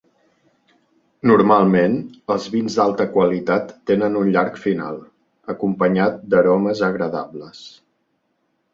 Normalment, els vins d"alta qualitat tenen un llarg final, acompanyat d"aromes agradables.